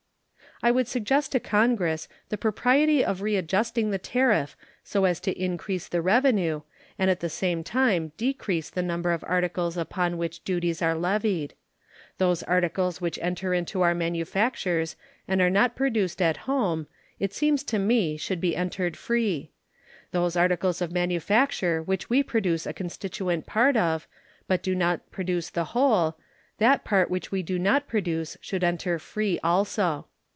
I would suggest to Congress the propriety of readjusting the tariff so as to increase the revenue, and at the same time decrease the number of articles upon which duties are levied. Those articles which enter into our manufactures and are not produced at home, it seems to me, should be entered free. Those articles of manufacture which we produce a constituent part of, but do not produce the whole, that part which we do not produce should enter free also.